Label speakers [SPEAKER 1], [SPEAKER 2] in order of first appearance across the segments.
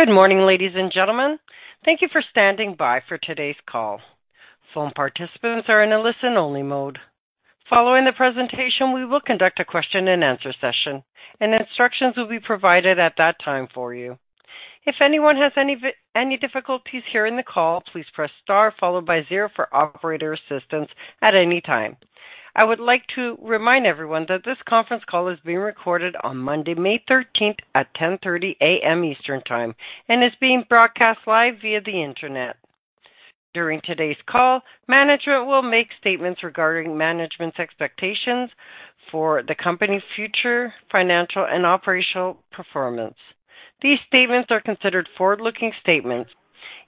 [SPEAKER 1] Good morning, ladies and gentlemen. Thank you for standing by for today's call. Phone participants are in a listen-only mode. Following the presentation, we will conduct a question-and-answer session, and instructions will be provided at that time for you. If anyone has any difficulties hearing the call, please press star followed by 0 for operator assistance at any time. I would like to remind everyone that this conference call is being recorded on Monday, May 13th, at 10:30 A.M. Eastern Time and is being broadcast live via the internet. During today's call, management will make statements regarding management's expectations for the company's future financial and operational performance. These statements are considered forward-looking statements.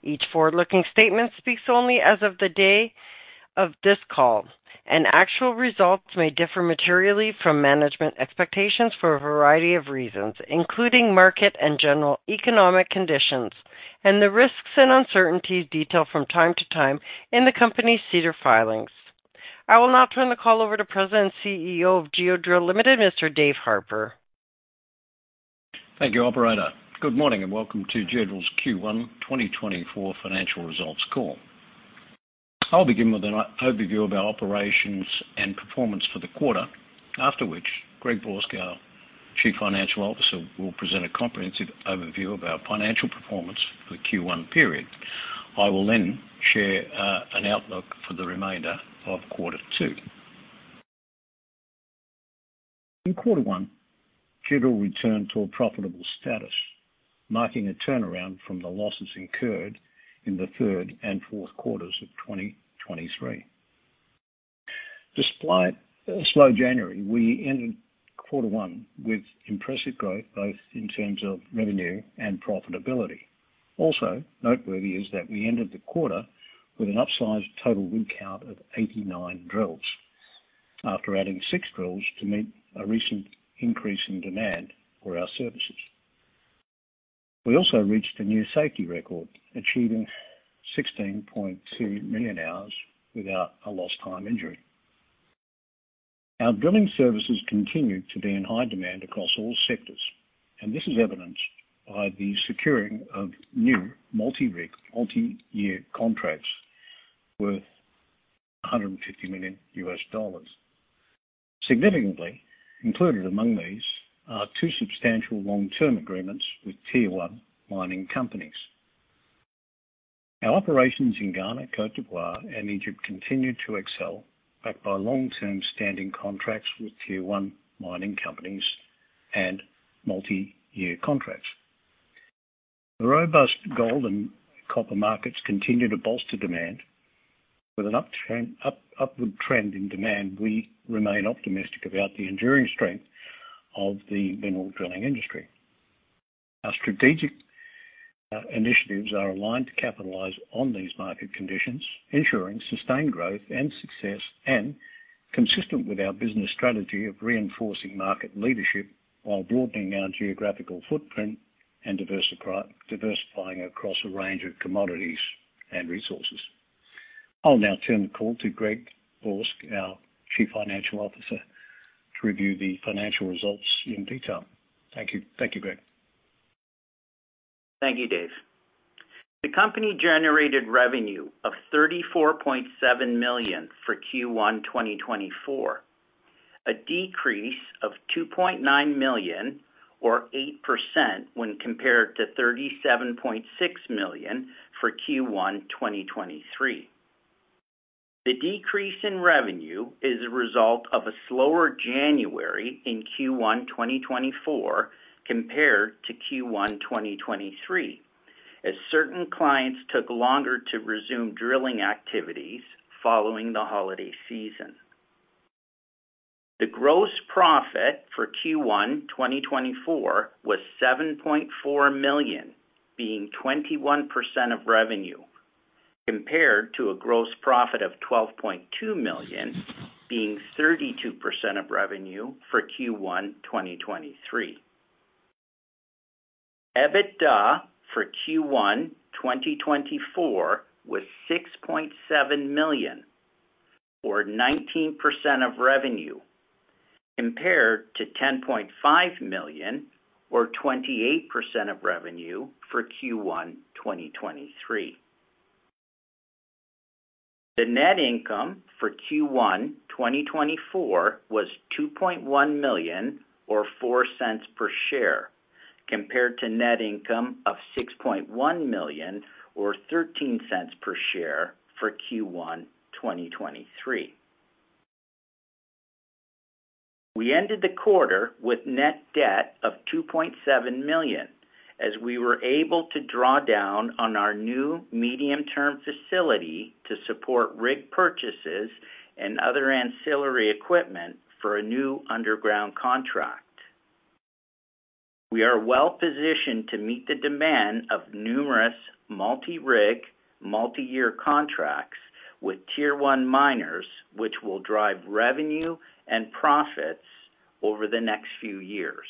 [SPEAKER 1] Each forward-looking statement speaks only as of the day of this call, and actual results may differ materially from management expectations for a variety of reasons, including market and general economic conditions, and the risks and uncertainties detailed from time to time in the company's SEDAR filings. I will now turn the call over to President and CEO of Geodrill Limited, Mr. Dave Harper.
[SPEAKER 2] Thank you, Operator. Good morning and welcome to Geodrill's Q1 2024 financial results call. I'll begin with an overview of our operations and performance for the quarter, after which Greg Borsk, our Chief Financial Officer, will present a comprehensive overview of our financial performance for the Q1 period. I will then share an outlook for the remainder of quarter two. In quarter one, Geodrill returned to a profitable status, marking a turnaround from the losses incurred in the third and fourth quarters of 2023. Despite a slow January, we ended quarter one with impressive growth both in terms of revenue and profitability. Also, noteworthy is that we ended the quarter with an upsized total rig count of 89 drills, after adding 6 drills to meet a recent increase in demand for our services. We also reached a new safety record, achieving 16.2 million hours without a lost time injury. Our drilling services continue to be in high demand across all sectors, and this is evidenced by the securing of new multi-rig, multi-year contracts worth $150 million. Significantly included among these are two substantial long-term agreements with Tier One mining companies. Our operations in Ghana, Côte d'Ivoire, and Egypt continue to excel, backed by long-term standing contracts with Tier One mining companies and multi-year contracts. The robust gold and copper markets continue to bolster demand. With an upward trend in demand, we remain optimistic about the enduring strength of the mineral drilling industry. Our strategic initiatives are aligned to capitalize on these market conditions, ensuring sustained growth and success, and consistent with our business strategy of reinforcing market leadership while broadening our geographical footprint and diversifying across a range of commodities and resources. I'll now turn the call to Greg Borsk, our Chief Financial Officer, to review the financial results in detail. Thank you, Greg.
[SPEAKER 3] Thank you, Dave. The company generated revenue of $34.7 million for Q1 2024, a decrease of $2.9 million or 8% when compared to $37.6 million for Q1 2023. The decrease in revenue is a result of a slower January in Q1 2024 compared to Q1 2023, as certain clients took longer to resume drilling activities following the holiday season. The gross profit for Q1 2024 was $7.4 million, being 21% of revenue, compared to a gross profit of $12.2 million, being 32% of revenue for Q1 2023. EBITDA for Q1 2024 was $6.7 million, or 19% of revenue, compared to $10.5 million, or 28% of revenue for Q1 2023. The net income for Q1 2024 was $2.1 million, or $0.04 per share, compared to net income of $6.1 million, or $0.13 per share for Q1 2023. We ended the quarter with net debt of $2.7 million, as we were able to draw down on our new medium-term facility to support rig purchases and other ancillary equipment for a new underground contract. We are well-positioned to meet the demand of numerous multi-rig, multi-year contracts with Tier One miners, which will drive revenue and profits over the next few years.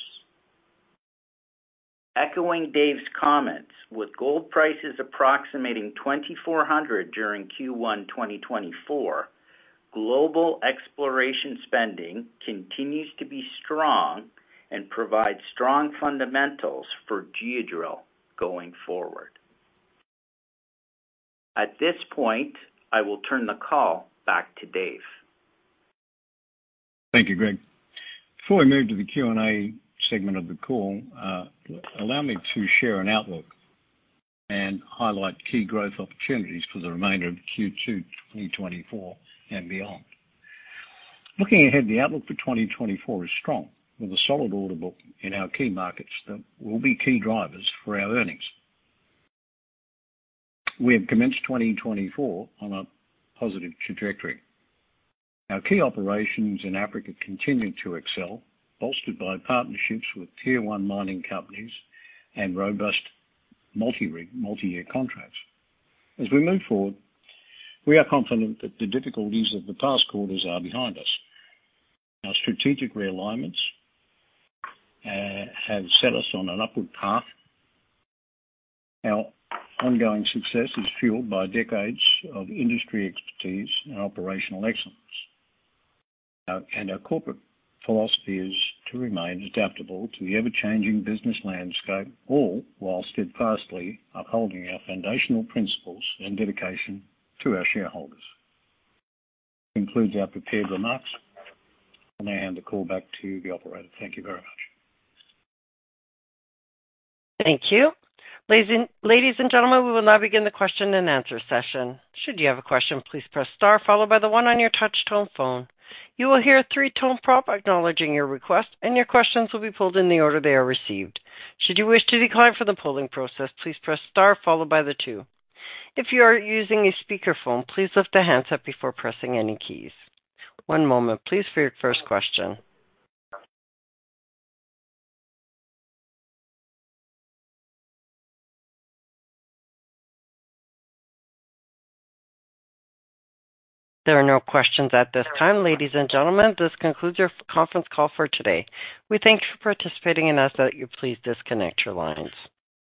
[SPEAKER 3] Echoing Dave's comments, with gold prices approximating $2,400 during Q1 2024, global exploration spending continues to be strong and provide strong fundamentals for Geodrill going forward. At this point, I will turn the call back to Dave.
[SPEAKER 2] Thank you, Greg. Before we move to the Q&A segment of the call, allow me to share an outlook and highlight key growth opportunities for the remainder of Q2 2024 and beyond. Looking ahead, the outlook for 2024 is strong, with a solid order book in our key markets that will be key drivers for our earnings. We have commenced 2024 on a positive trajectory. Our key operations in Africa continue to excel, bolstered by partnerships with Tier One mining companies and robust multi-rig, multi-year contracts. As we move forward, we are confident that the difficulties of the past quarters are behind us. Our strategic realignments have set us on an upward path. Our ongoing success is fueled by decades of industry expertise and operational excellence. Our corporate philosophy is to remain adaptable to the ever-changing business landscape, all while steadfastly upholding our foundational principles and dedication to our shareholders. Concludes our prepared remarks. I'll now hand the call back to the Operator. Thank you very much.
[SPEAKER 1] Thank you. Ladies and gentlemen, we will now begin the question-and-answer session. Should you have a question, please press star followed by the 1 on your touch-tone phone. You will hear a three-tone prompt acknowledging your request, and your questions will be pulled in the order they are received. Should you wish to decline from the polling process, please press star followed by the 2. If you are using a speakerphone, please lift the handset up before pressing any keys. One moment, please, for your first question. There are no questions at this time. Ladies and gentlemen, this concludes our conference call for today. We thank you for participating with us. Please disconnect your lines.